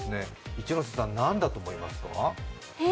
一ノ瀬さん、何だと思いますか？